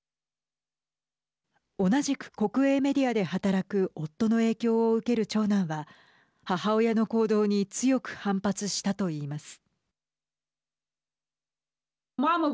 同じく国営メディアで働く夫の影響を受ける長男は母親の行動に強く反発したといいます。